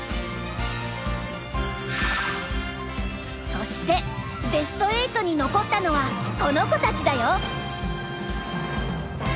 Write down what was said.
そしてベスト８に残ったのはこの子たちだよ。